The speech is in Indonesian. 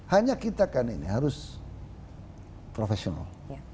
hanya kita kan ini harus profesional